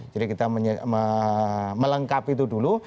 jadi kita melengkapi itu dulu